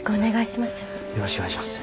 よろしくお願いします。